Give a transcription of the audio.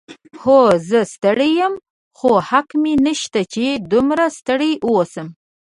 هو، زه ستړی یم، خو حق مې نشته چې دومره ستړی واوسم.